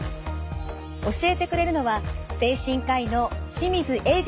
教えてくれるのは精神科医の清水栄司さんです。